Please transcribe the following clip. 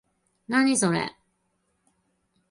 何、それ？